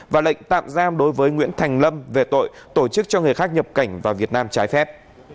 và lệnh tạm giam đối với nguyễn thành lâm về tội tổ chức cho người khác nhập cảnh vào việt nam trái phép